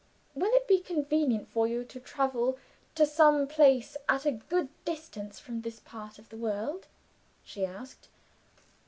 'Will it be convenient for you to travel to some place at a good distance from this part of the world?' she asked.